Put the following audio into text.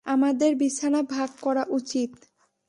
আমাদের বিছানা ভাগ করা উচিত।